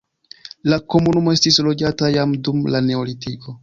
La komunumo estis loĝata jam dum la neolitiko.